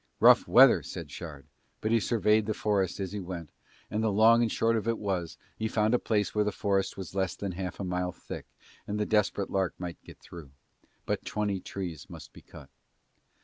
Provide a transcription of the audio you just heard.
"Rough weather," said Shard, but he surveyed the forest as he went and the long and short of it was he found a place where the forest was less than half a mile thick and the Desperate Lark might get through: but twenty trees must be cut.